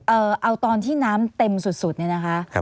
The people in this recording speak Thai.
เอาตอนที่น้ำเต็มสุดเนี่ยนะคะ